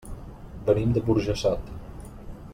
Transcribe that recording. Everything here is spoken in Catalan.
Venim de Burjassot.